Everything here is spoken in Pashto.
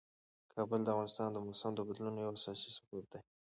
کابل د افغانستان د موسم د بدلون یو اساسي سبب دی.